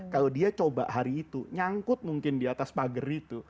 kalau dia coba hari itu nyangkut mungkin diatas pager itu